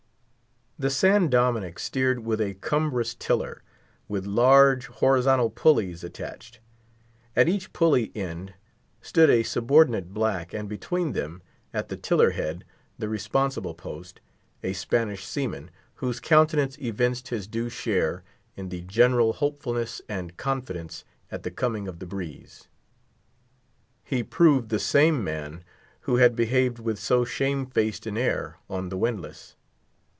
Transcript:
The San Dominick steered with a cumbrous tiller, with large horizontal pullies attached. At each pully end stood a subordinate black, and between them, at the tiller head, the responsible post, a Spanish seaman, whose countenance evinced his due share in the general hopefulness and confidence at the coming of the breeze. He proved the same man who had behaved with so shame faced an air on the windlass.